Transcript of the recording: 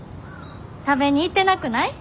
食べに行ってなくない？